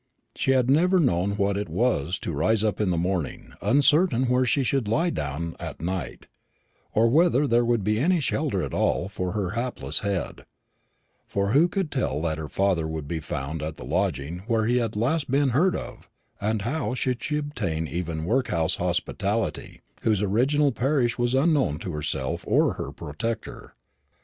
She had never known what it was to rise up in the morning uncertain where she should lie down at night, or whether there would be any shelter at all for her hapless head; for who could tell that her father would be found at the lodging where he had last been heard of, and how should she obtain even workhouse hospitality, whose original parish was unknown to herself or her protector?